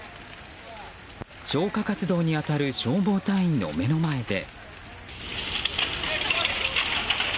消火活動に当たる消防隊員の目の前で。